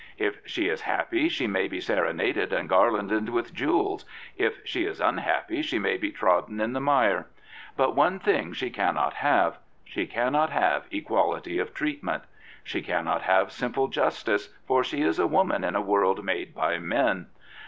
If she is happy she may be serenaded and garlanded with jewels; if she is unhappy she may be trodden in the Uiire. But one thing she cannot have. She cannot have equality of treatment. She cannot have simple justice, for she is . a woman in a world made by men.